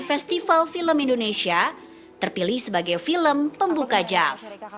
festival film indonesia terpilih sebagai film pembuka jav